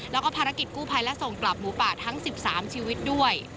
แล้วก็ภารกิจกู้ภัยและส่งกลับหมูป่าทั้ง๑๓ชีวิตด้วย